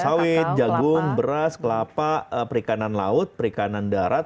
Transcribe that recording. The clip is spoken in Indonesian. sawit jagung beras kelapa perikanan laut perikanan darat